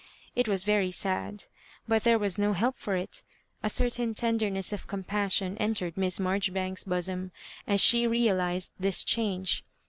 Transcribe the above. It was very sad, but there was no help for it. A certain tenderness of compassion entered Miss Marjoribanks's bosom as she realised this change.